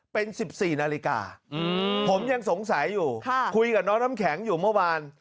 เป็น๑๔นาฬิกาผมยังสงสัยอยู่คุยกับน้องน้ำแข็งอยู่เมื่อวาน